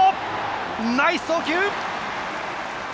ナイス送球！